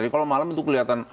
kalau malam itu kelihatan